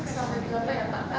sampai berapa ya pak